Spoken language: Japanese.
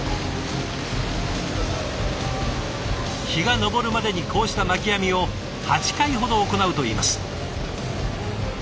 日が昇るまでにこうした巻き網を８回ほど行うといいます。